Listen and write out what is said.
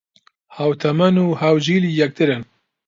ھاوتەمەن و ھاوجیلی یەکترین